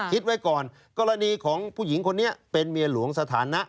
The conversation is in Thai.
คิดไว้ก่อนกรณีของผู้หญิงคนนี้เป็นเมียหลวงสถานะ